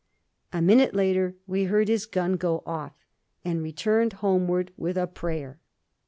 A minute later we heard his gun go off, and returned homeward with a prayer.